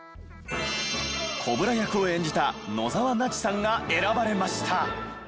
コブラ役を演じた野沢那智さんが選ばれました。